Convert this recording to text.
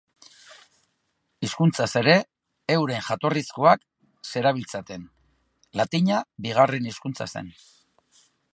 Hizkuntzaz ere, euren jatorrizkoak zerabiltzaten; latina bigarren hizkuntza zen.